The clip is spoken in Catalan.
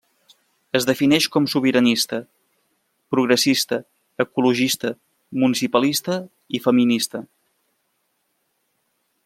Es defineix com sobiranista, progressista, ecologista, municipalista i feminista.